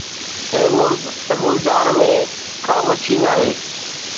اي مرغ! ته گلزار ۾ ڪا مڇي ناهي